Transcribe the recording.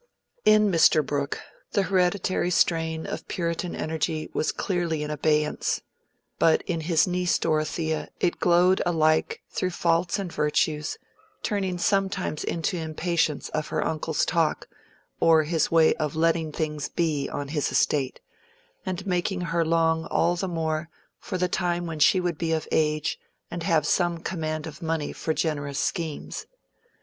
In Mr. Brooke the hereditary strain of Puritan energy was clearly in abeyance; but in his niece Dorothea it glowed alike through faults and virtues, turning sometimes into impatience of her uncle's talk or his way of "letting things be" on his estate, and making her long all the more for the time when she would be of age and have some command of money for generous schemes.